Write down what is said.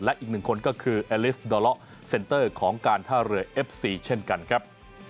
และอีกหนึ่งคนก็คือแอลิสดอเลาะเซ็นเตอร์ของการท่าเรือเอฟซีเช่นกันครับ